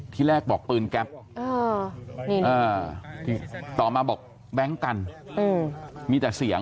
ที่แรกบอกปืนแก๊ปต่อมาบอกแบงค์กันมีแต่เสียง